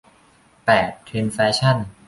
แปด เทรนด์แฟชั่น